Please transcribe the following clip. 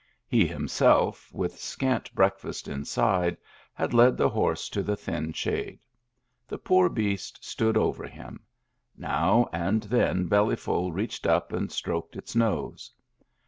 He, himself, with scant breakfast inside, had led the horse to the thin shade. The poor beast stood over him; now and then Bellyful reached up and stroked its nose.